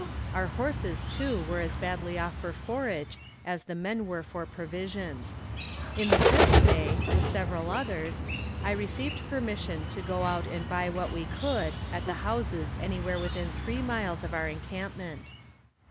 Our horses, too, were as badly off for forage as the men were for provisions. On the fifth day, with several others, I received permission to go out and buy what we could at the houses anywhere within three miles of our encampment.